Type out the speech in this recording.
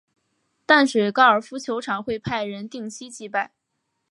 淡水高尔夫球场会派人定期祭拜。